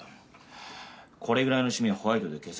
これぐらいのシミはホワイトで消せる。